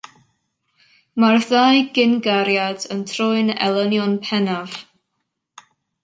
Mae'r ddau gyn-gariad yn troi'n elynion pennaf.